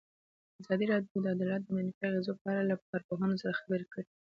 ازادي راډیو د عدالت د منفي اغېزو په اړه له کارپوهانو سره خبرې کړي.